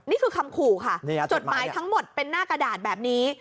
นี่คือคำขู่ค่ะจดหมายทั้งหมดเป็นหน้ากระดาษแบบนี้